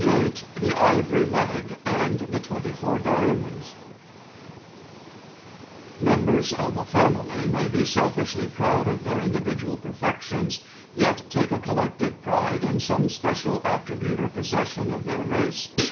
•■< "4 I E IVORY LEG AND THE TWENTY FOUR DUMONDS EMBERS of a family may be selfishly proud of their individual perfections, yet take a collective pride in e special attribute or possession of their race.